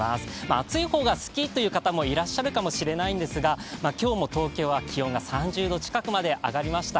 暑い方が好きという方もいらっしゃるかもしれないんですが、今日も東京は気温が３０度近くまで上がりました。